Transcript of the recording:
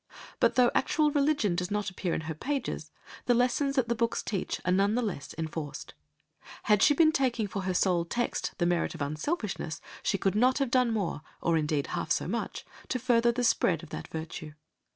But though actual religion does not appear in her pages, the lessons that the books teach are none the less enforced; had she been taking for her sole text the merit of unselfishness, she could not have done more, or indeed half so much, to further the spread of that virtue.